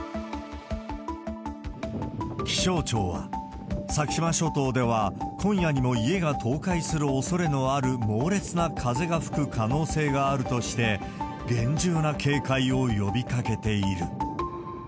気象庁は、先島諸島では、今夜にも家が倒壊するおそれのある猛烈な風が吹く可能性があるとして、厳重な警戒を呼びかけている。